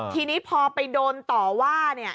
ทีนี้พอไปโดนต่อว่าเนี่ย